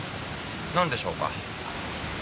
何でしょうか？